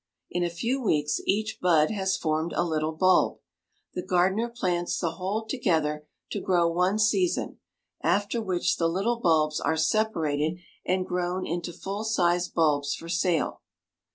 In a few weeks each bud has formed a little bulb. The gardener plants the whole together to grow one season, after which the little bulbs are separated and grown into full sized bulbs for sale.